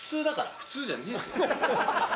普通じゃねえぞ。